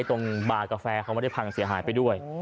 ตรงบาร์กาแฟเขาไม่ได้พังเสียหายไปด้วย